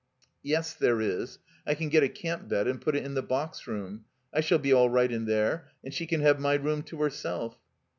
Yes, there is. I can get a camp bed and put it in the box room. I shall be all right in there, and she can have my room to herself."